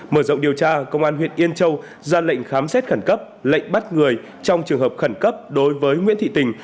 mở rộng điều tra công an huyện yên châu ra lệnh khám xét khẩn cấp lệnh bắt người trong trường hợp khẩn cấp đối với nguyễn thị tình